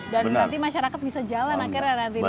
dan nanti masyarakat bisa jalan akhirnya nanti di sana